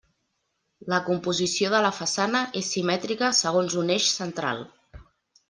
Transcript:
La composició de la façana és simètrica segons un eix central.